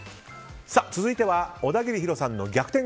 続いては小田切ヒロさんの逆転！